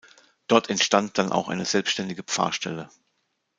Dort entstand dann auch eine selbstständige Pfarrstelle.